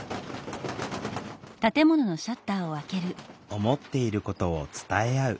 思っていることを伝え合う。